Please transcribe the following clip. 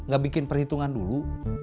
gak bikin perhitungan dulu